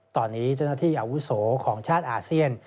ตอนนี้เจ้าหน้าที่อาวุโสของชาติอาเซียน